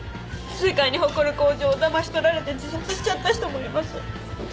世界に誇る工場だまし取られて自殺しちゃった人もいます。